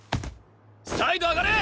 サイド上がれ！